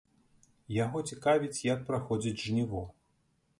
Яго цікавіць, як праходзіць жніво.